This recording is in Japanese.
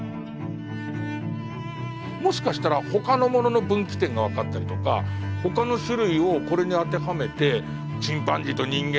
もしかしたらほかのものの分岐点が分かったりとかほかの種類をこれに当てはめてチンパンジーと人間の分岐